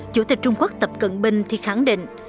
chủ tịch trung quốc tập cận bình thì khẳng định